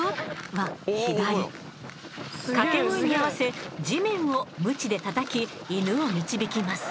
掛け声に合わせ地面をムチでたたき犬を導きます。